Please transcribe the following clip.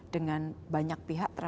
dengan banyak pihak